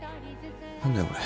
何だよこれ。